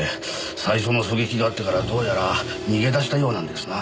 最初の狙撃があってからどうやら逃げ出したようなんですな。